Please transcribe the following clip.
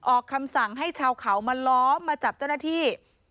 ออกคำสั่งให้ชาวเขามาล้อมมาจับเจ้าหน้าที่